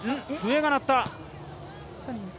笛が鳴った。